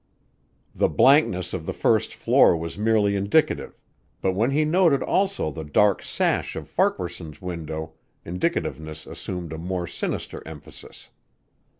The blankness of the first floor was merely indicative but when he noted also the dark sash of Farquaharson's window indicativeness assumed a more sinister emphasis.